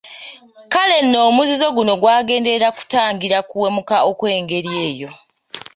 Kale nno omuzizo guno gwagenderera kutangira kuwemuka okw'engeri eyo.